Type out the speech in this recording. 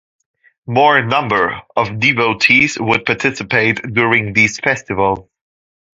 More number of devotees would participate during these festivals.